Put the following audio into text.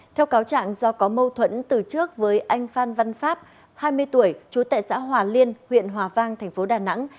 theo cáo trạng do có mâu thuẫn từ trước với anh phan văn pháp hai mươi tuổi trú tại xã hòa liên huyện hòa vang thành phố đà nẵng